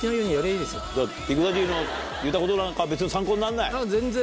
ビッグダディの言ったことなんか別に参考になんない？